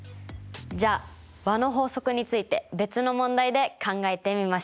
じゃあ和の法則について別の問題で考えてみましょう。